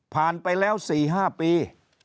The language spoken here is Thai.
ผ่านไปแล้ว๔๕ปี